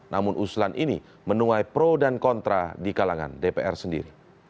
namun usulan ini menuai pro dan kontra di kalangan dpr sendiri